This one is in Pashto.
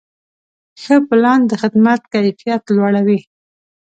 ښه پلان د خدمت کیفیت لوړوي.